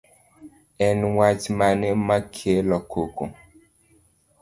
En wach mane makelo koko